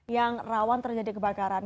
yang rawan terjadi kebakaran